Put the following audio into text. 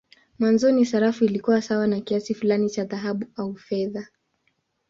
Mwanzoni sarafu ilikuwa sawa na kiasi fulani cha dhahabu au fedha.